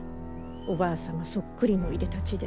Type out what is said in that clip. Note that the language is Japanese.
おばあ様そっくりのいでたちで。